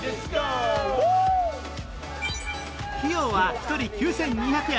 費用は１人９２００円。